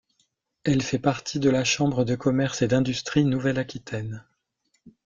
Elle fait partie de la chambre de commerce et d'industrie Nouvelle-Aquitaine.